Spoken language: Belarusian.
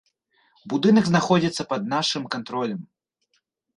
Будынак знаходзіцца пад нашым кантролем.